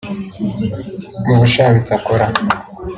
Mu bushabitsi akora